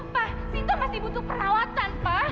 pa cinta masih butuh perawatan pa